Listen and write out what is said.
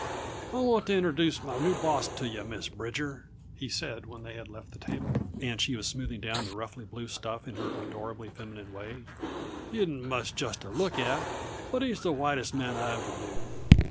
"I want to introduce my new boss to yuh, Miss Bridger," he said when they had left the table and she was smoothing down the ruffly blue stuff in an adorably feminine way. "He isn't much just to look at, but he's the whitest man I ever knew.